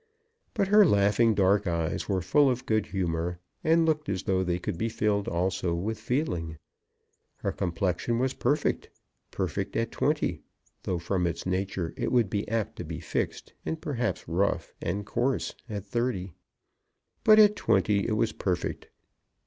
But her laughing dark eyes were full of good humour, and looked as though they could be filled also with feeling. Her complexion was perfect, perfect at twenty, though from its nature it would be apt to be fixed, and perhaps rough and coarse at thirty. But at twenty it was perfect.